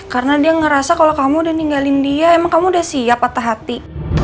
karena dia ngerasa kalo kamu udah ninggalin dia emang kamu udah siap patah hati